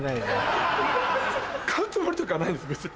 買うつもりとかはないんです別に。